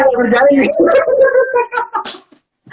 ini gak boleh damar ya dok ya